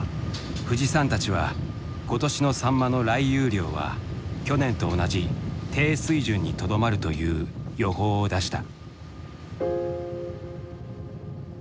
冨士さんたちは今年のサンマの来遊量は去年と同じ低水準にとどまるという予報を出した。